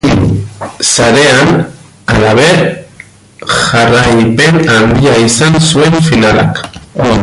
Sarean, halaber, jarraipen handia izan zuen finalak.